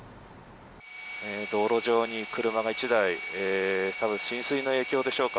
道路上に車が１台多分浸水の影響でしょうか